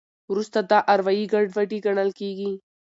وروسته دا اروایي ګډوډي ګڼل کېږي.